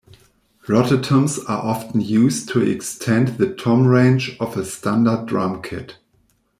Rototoms are often used to extend the tom range of a standard drum kit.